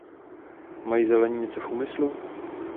Mají Zelení něco v úmyslu?